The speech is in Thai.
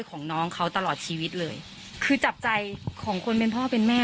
ของน้องเขาตลอดชีวิตเลยคือจับใจของคนเป็นพ่อเป็นแม่